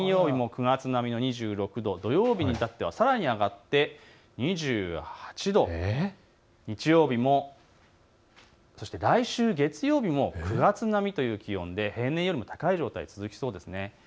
金曜日も９月並みの２６度、土曜日はさらに上がって２８度、日曜日も、そして来週月曜日も９月並みという気温で平年より高い予想が続きそうです。